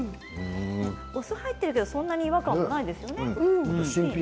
お酢が入っているけれどもそんなに違和感ないですよね。